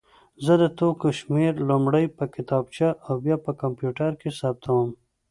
زه د توکو شمېر لومړی په کتابچه او بیا په کمپیوټر کې ثبتوم.